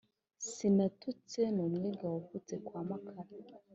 Sinatutse n'Umwega wavutse kwa Makara